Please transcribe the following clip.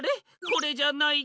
これじゃない。